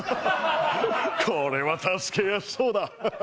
これは助けやすそうだ。